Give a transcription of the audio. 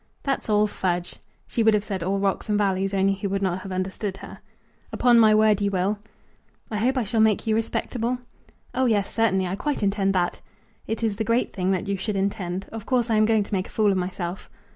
"That's all fudge." She would have said, "all rocks and valleys," only he would not have understood her. "Upon my word, you will." "I hope I shall make you respectable?" "Oh, yes; certainly. I quite intend that." "It is the great thing that you should intend. Of course I am going to make a fool of myself."